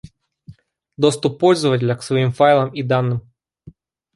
Доступ пользователя к своим файлам и данным